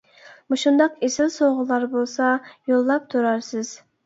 مۇشۇنداق ئېسىل سوغىلار بولسا يوللاپ تۇرارسىز.